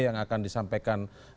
yang akan disampaikan sbe